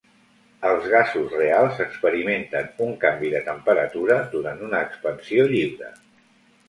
Els gasos reals experimenten un canvi de temperatura durant una expansió lliure.